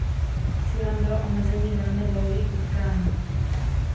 Cílem bylo omezení velmi dlouhých utkání.